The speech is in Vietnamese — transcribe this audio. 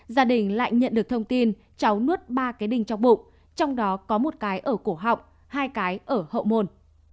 gia đình lại nhận được thông tin cháu nuốt ba cái đình trong bụng trong đó có một cái ở cổ họng hai cái ở hậu môn